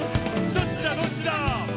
「どっちだどっちだ」